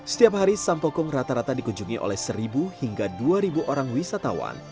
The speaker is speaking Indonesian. setiap hari sampokong rata rata dikunjungi oleh seribu hingga dua orang wisatawan